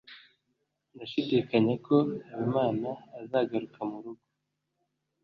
ndashidikanya ko habimana azagaruka murugo